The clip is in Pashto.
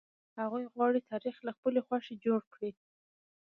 هغوی غواړي تاريخ له خپلي خوښې جوړ کړي.